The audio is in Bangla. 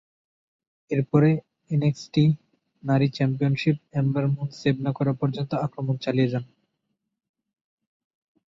এরপরে, এনএক্সটি নারী চ্যাম্পিয়নশিপ অ্যাম্বার মুন সেভ না করা পর্যন্ত আক্রমণ চালিয়ে যান।